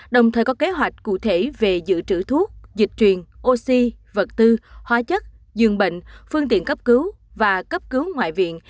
đồng thời có kế hoạch cụ thể về dự trữ thuốc dịch truyền oxy vật tư hóa chất giường bệnh phương tiện cấp cứu và cấp cứu ngoại viện